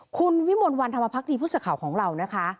คุณวิมนต์วันธรรมภักดีพุศข่าวของเรานะคะ